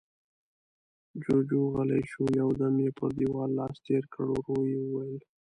جُوجُو غلی شو، يو دم يې پر دېوال لاس تېر کړ، ورو يې وويل: